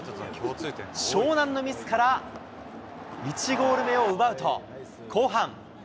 湘南のミスから、１ゴール目を奪うと、後半。